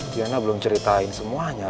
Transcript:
dianal belum cerita ini semuanya